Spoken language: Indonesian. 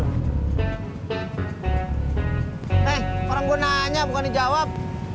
eh orang gue nanya bukan yang jawab